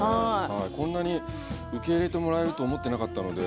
こんなに受け入れてもらえると思ってなかったので。